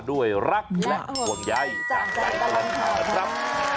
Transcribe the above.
ด้วยรักและห่วงใยจากใจตลอดข่าวนะครับ